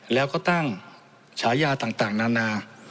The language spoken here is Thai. แล้วก็ตั้งฉายาต่างนานา